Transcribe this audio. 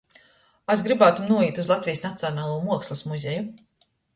Es grybātum nūīt iz Latvejis Nacionalū muokslys muzeju.